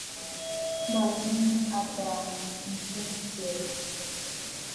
Mə̀ nɨ̂ àbaa ntswêntɨ̀ɨ̀.